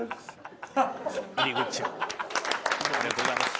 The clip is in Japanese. ありがとうございます。